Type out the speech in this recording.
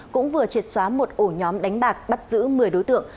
cũng vừa triệt xóa một ổ nhóm đánh bạc bắt giữ một mươi đối tượng